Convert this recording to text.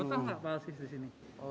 betah pak pak asis di sini